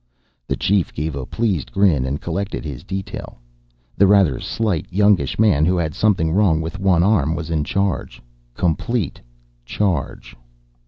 The chief gave a pleased grin and collected his detail. The rather slight, youngish man who had something wrong with one arm was in charge complete charge.